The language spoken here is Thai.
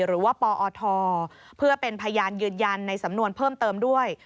หรือว่าปอทเพื่อเป็นพยานยืนยันในสำนวนเพิ่มเติมด้วย